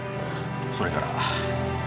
それから。